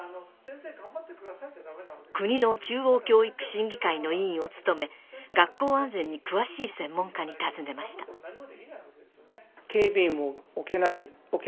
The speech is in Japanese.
国の中央教育審議会の委員を務め学校安全に詳しい専門家に尋ねました例えば。